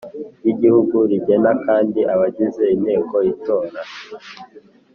y Igihugu rigena kandi abagize Inteko itora